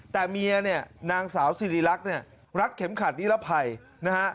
แต่เมียนางสาวซีรีรักษ์รักเข็มขัดนิรภัยนะฮะ